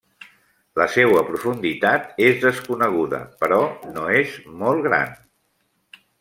La seua profunditat és desconeguda, però no és molt gran.